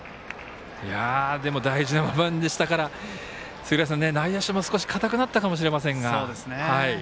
でも大事な場面でしたから内野手も、少し硬くなったかもしれませんが。